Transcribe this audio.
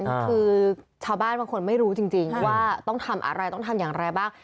คือชาวบ้านบางคนไม่รู้จริงว่าต้องทำอะไรต้องทำอย่างไรบ้าง